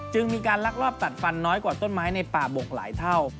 มีการลักลอบตัดฟันน้อยกว่าต้นไม้ในป่าบกหลายเท่า